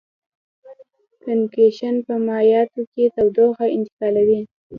کنویکشن په مایعاتو کې تودوخه انتقالوي.